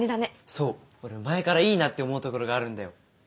そう俺前からいいなって思う所があるんだよ。